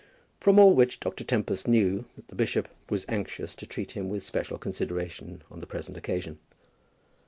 From all which Dr. Tempest knew that the bishop was anxious to treat him with special consideration on the present occasion.